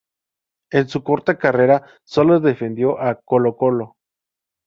En su corta carrera sólo defendió a Colo-Colo.